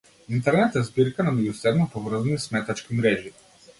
Интернет е збирка на меѓусебно поврзани сметачки мрежи.